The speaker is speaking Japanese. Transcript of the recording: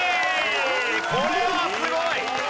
これはすごい。